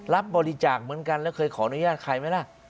รับบริจาคเหมือนกันแล้วเคยขออนุญาตใครไหมล่ะ